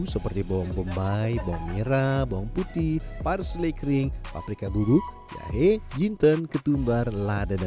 seperti bawang bombay bawang merah bawang putih parsley kering paprika buruk jahe jinten ketumbar lada dan